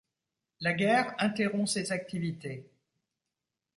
La guerre interrompt ses activités.